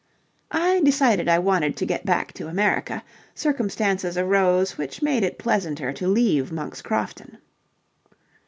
"I decided I wanted to get back to America. Circumstances arose which made it pleasanter to leave Monk's Crofton."